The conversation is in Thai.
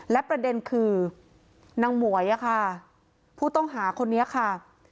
และประเด็นคือนางหมวยค่ะผู้ต้องหาคนนี้ค่ะ